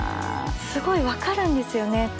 すごい分かるんですよね。